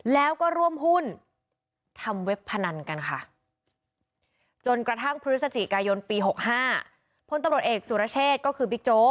แล้วก็ร่วมหุ้นอำกาลเตียงไม่ได้